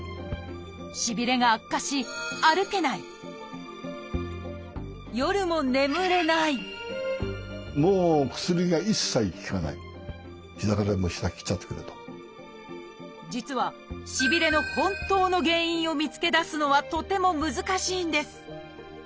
しびれが悪化し夜も実はしびれの本当の原因を見つけ出すのはとても難しいんです。